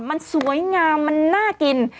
มันสวยงามมันน่ากิน